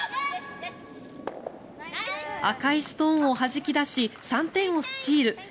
赤いストーンをはじき出し３点をスチール。